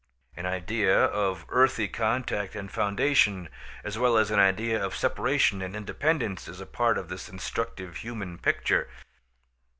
An idea of earthy contact and foundation, as well as an idea of separation and independence, is a part of this instructive human picture.